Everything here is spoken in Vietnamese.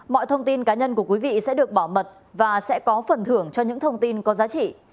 mọi thông tin cá nhân của quý vị sẽ được bảo mật và sẽ có phần thưởng cho những thông tin có giá trị